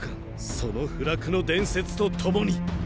その不落の伝説とともに。